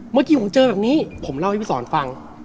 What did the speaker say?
เมื่อกี้ผมเจอแบบนี้ผมเล่าให้พี่สอนฟัง